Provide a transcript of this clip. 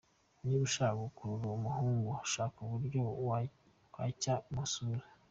Niba ushaka gukurura umuhungu shaka uburyo wacya mu isura.